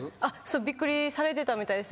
びっくりされてたみたいです。